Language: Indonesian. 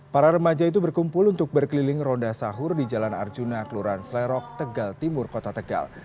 para remaja itu berkumpul untuk berkeliling ronda sahur di jalan arjuna kelurahan selerok tegal timur kota tegal